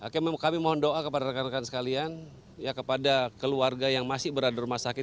kami mohon doa kepada rekan rekan sekalian kepada keluarga yang masih berada di rumah sakit